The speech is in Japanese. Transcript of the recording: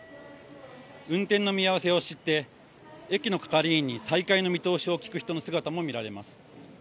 運転の見合わせを知って、駅の係員に再開の見通しを聞く人の姿も見られます。